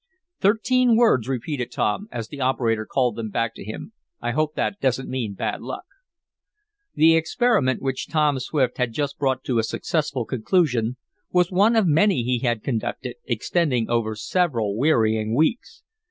"Thirteen words," repeated Tom, as the operator called them back to him. "I hope that doesn't mean bad luck." The experiment which Tom Swift had just brought to a successful conclusion was one of many he had conducted, extending over several wearying weeks.